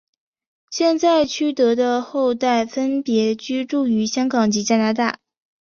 现在区德的后代分别居住于香港及加拿大。